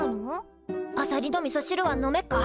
あさりのみそしるは飲めっか？